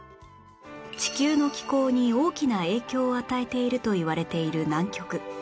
地球の気候に大きな影響を与えているといわれている南極